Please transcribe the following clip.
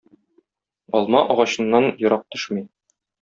Алма агачыннан ерак төшми.